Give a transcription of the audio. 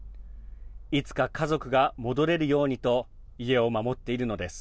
いつか家族が戻れるようにと家を守っているのです。